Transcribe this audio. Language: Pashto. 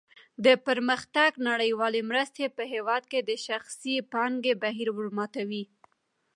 د پرمختګ نړیوالې مرستې په هېواد کې د شخصي پانګې بهیر ورماتوي.